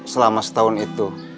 selama setahun itu